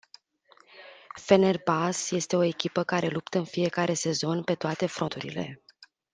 Fenerbahce este o echipă care luptă în fiecare sezon, pe toate fronturile.